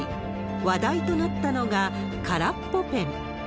話題となったのが、からっぽペン。